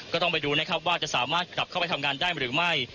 ก็ต้องไปดูนะครับว่าจะสามารถกลับเข้าไปทำงานได้หรือไม่